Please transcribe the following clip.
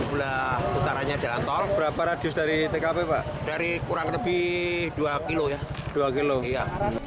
sebelah utaranya jalan tol berapa radius dari tkp pak dari kurang lebih dua kilo ya dua kilo iya